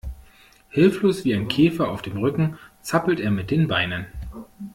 Hilflos wie ein Käfer auf dem Rücken zappelt er mit den Beinen.